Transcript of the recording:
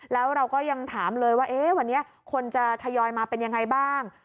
แล้วเราก็ยังถามเลยว่าวันนี้คนจะทยอยมาเป็นยังไงบ้าง